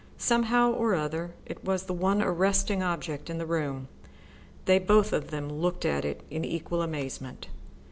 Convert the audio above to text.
Somehow or other it was the one arresting object in the room. They both of them looked at it in equal amazement.